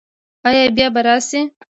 ایا بیا به راشئ؟